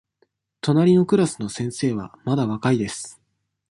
隣のクラスの先生はまだ若いです。